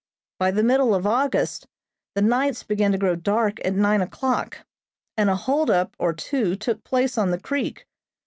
By the middle of August the nights began to grow dark at nine o'clock, and a hold up or two took place on the creek.